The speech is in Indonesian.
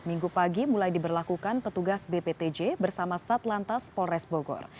minggu pagi mulai diberlakukan petugas bptj bersama satlantas polres bogor